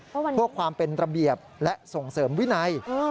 พวกความเป็นระเบียบและส่งเสริมวินัย